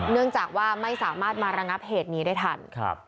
เนื่องจากว่าไม่สามารถมาระงับเหตุนี้ได้ทัน